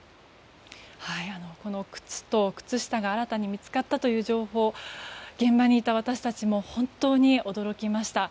この靴と靴下が新たに見つかったという情報現場にいた私たちも本当に驚きました。